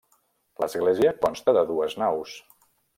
L'església consta de dues naus.